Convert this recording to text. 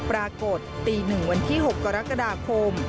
ปรากฏตี๑วันที่๖กรกฎาคม